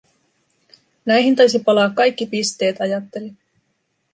Näihin taisi palaa kaikki pisteet, ajattelin.